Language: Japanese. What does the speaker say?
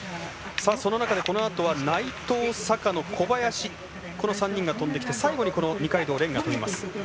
その中で、このあとは内藤、坂野、小林この３人が飛んできて最後に、この二階堂蓮が飛びます。